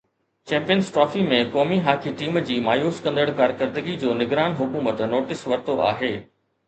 Champions trophy ۾ قومي hockey team جي مايوس ڪندڙ ڪارڪردگي جو نگران حڪومت نوٽيس ورتو آهي.